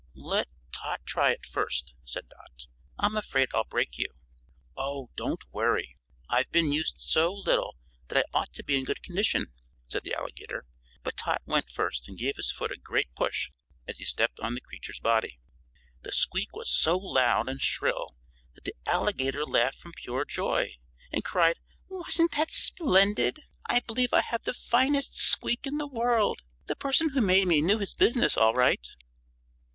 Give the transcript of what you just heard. "Let Tot try it first," said Dot; "I'm afraid I'll break you." "Oh, don't worry, I've been used so little that I ought to be in good condition," said the Alligator. But Tot went first, and gave his foot a great push as he stepped on the creature's body. The squeak was so loud and shrill that the Alligator laughed from pure joy, and cried, "Wasn't that splendid? I believe I have the finest squeak in the world! The person who made me knew his business all right."